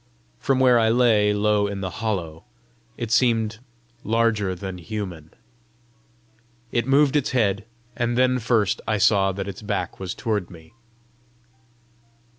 From where I lay low in the hollow, it seemed larger than human. It moved its head, and then first I saw that its back was toward me.